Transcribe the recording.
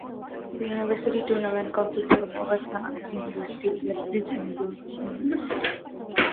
The university tournament consisted of Augustana, the University of Lethbridge, and Guelph University.